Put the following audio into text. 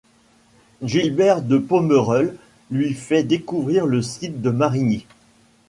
Gilbert de Pommereul lui fait découvrir le site de Marigny.